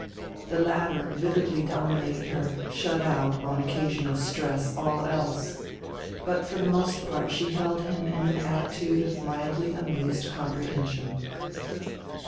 The latter vividly dominated her, shut out, on any occasion of stress, all else; but for the most part she held him in an attitude of mildly amused comprehension.